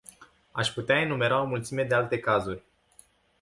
Aș putea enumera o mulțime de alte cazuri.